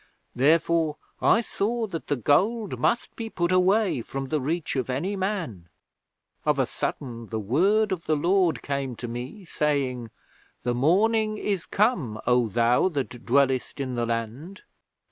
Therefore I saw that the gold must be put away from the reach of any man. Of a sudden, the Word of the Lord came to me saying, "The Morning is come, O thou that dwellest in the land."'